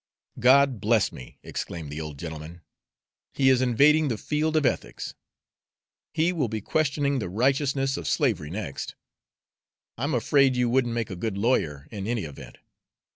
"God bless me!" exclaimed the old gentleman, "he is invading the field of ethics! He will be questioning the righteousness of slavery next! I'm afraid you wouldn't make a good lawyer, in any event.